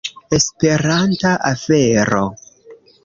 Esperanta afero